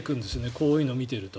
こういうのを見ていると。